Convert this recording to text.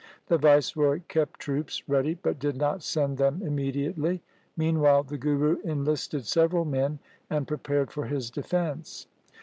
The Viceroy kept troops ready, but did not send them immediately. Mean while the Guru enlisted several men and prepared for his defence.